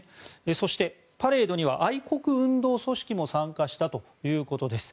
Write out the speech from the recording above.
そして、パレードには愛国運動組織も参加したということです。